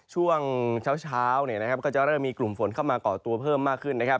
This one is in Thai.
ช่วงเช้าก็จะเริ่มมีกลุ่มฝนเข้ามาก่อตัวเพิ่มมากขึ้นนะครับ